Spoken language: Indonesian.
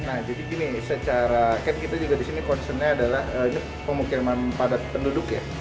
nah jadi gini secara kan kita juga disini concernnya adalah ini pemukiman padat penduduk ya